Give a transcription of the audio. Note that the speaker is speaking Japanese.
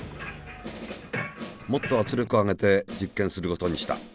もっと圧力を上げて実験することにした。